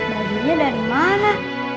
bajunya dari mana